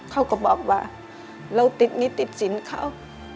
เขาก็บอกว่าเราติดหนี้ติดสินเขา